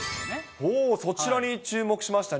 おお、そちらに注目しましたね。